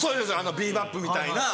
『ビー・バップ』みたいな。